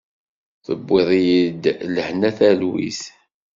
Tewwiḍ-iyi-d lehna talwit.